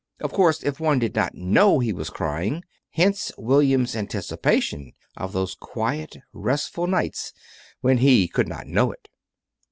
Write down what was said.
Of course, if one did not know he was crying Hence William's anticipation of those quiet, restful nights when he could not know it.